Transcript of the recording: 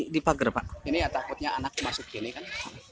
di pagar pak ini takutnya anak masuk gini kan